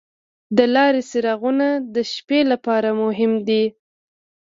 د لارې څراغونه د شپې لپاره مهم دي.